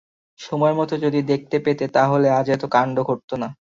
সময়মত যদি দেখতে পেতে তা হলে আজ এত কাণ্ড ঘটত না।